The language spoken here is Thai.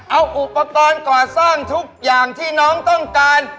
เอาอุปกรณ์ก่อสร้างทุกอย่างที่น้องต้องการ